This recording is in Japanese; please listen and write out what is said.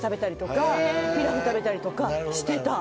ピラフ食べたりとかしてた。